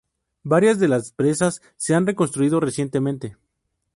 Varias de las presas se han reconstruido recientemente.